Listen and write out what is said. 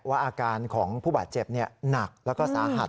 อาการของผู้บาดเจ็บหนักแล้วก็สาหัส